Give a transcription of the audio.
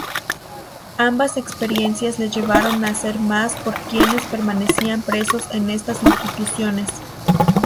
Ambas experiencias le llevaron a hacer más por quienes permanecían presos en estas instituciones.